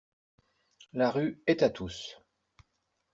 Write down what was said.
La rue “est à tous”